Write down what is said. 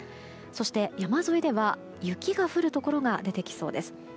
そして、山沿いでは雪が降るところが出てきそうです。